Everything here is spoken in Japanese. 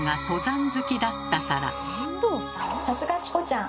さすがチコちゃん！